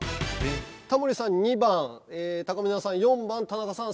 タモリさん２番たかみなさん４番田中さん３番。